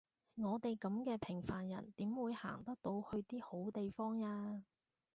我哋噉嘅平凡人點會行得到去啲好地方呀？